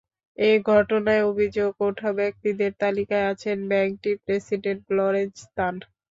এ ঘটনায় অভিযোগ ওঠা ব্যক্তিদের তালিকায় আছেন ব্যাংটির প্রেসিডেন্ট লরেঞ্জ তান।